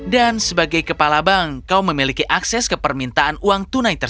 dan sebagai kepala bank kau memiliki akses ke permintaan